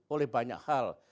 oleh banyak hal